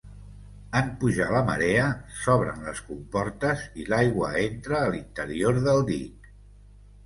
En pujar la marea, s'obren les comportes i l'aigua entra a l'interior del dic.